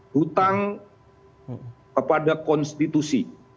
hutang kepada konstitusi